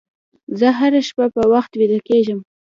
زه هره شپه په وخت ویده کېږم.